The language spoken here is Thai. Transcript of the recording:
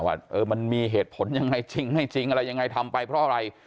ว่ามันมีเหตุผลยังไงจริงไม่จริงอะไรยังไงทำไปเพราะอะไร